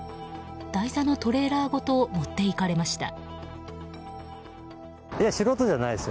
台座のトレーラーごと持っていかれました。